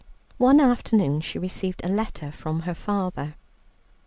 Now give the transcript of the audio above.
One afternoon she received a letter from her father.